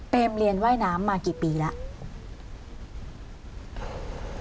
เป็นเรียนว่ายน้ำมากี่ปีแล้ว